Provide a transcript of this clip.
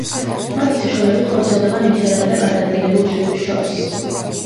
მათი საშუალებით ხორციელდება ნივთიერებათა გადაადგილება უჯრედებს შორის.